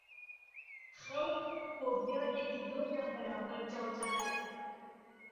خەڵک فۆبیایەکی زۆریان بەرامبەر جەڵتە هەیە